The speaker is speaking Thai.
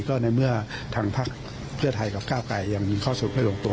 ก็ในเมื่อทางพักเพื่อไทยกับก้าวไกรยังเข้าสู่ไม่ลงตัว